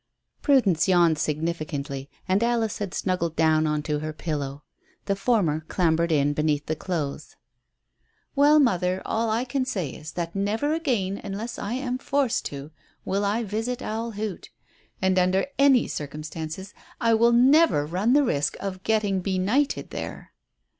Prudence yawned significantly and Alice had snuggled down on to her pillow. The former clambered in beneath the clothes. "Well, mother, all I can say is, that never again, unless I am forced to, will I visit Owl Hoot. And under any circumstances I will never run the risk of getting benighted there."